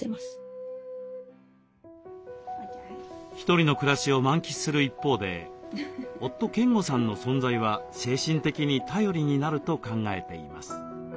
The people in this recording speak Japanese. １人の暮らしを満喫する一方で夫・健吾さんの存在は精神的に頼りになると考えています。